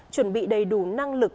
chuẩn bị đầy đủ năng lực